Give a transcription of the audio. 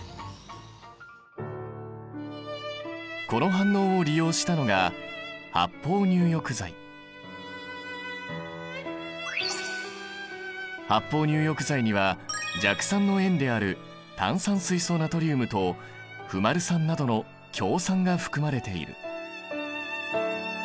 この反応を利用したのが発泡入浴剤には弱酸の塩である炭酸水素ナトリウムとフマル酸などの強酸が含まれている。